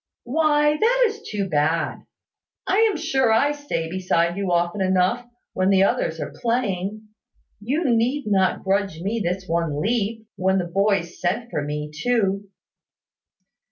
"Why, that is too bad! I am sure I stay beside you often enough, when the others are playing: you need not grudge me this one leap, when the boys sent for me, too."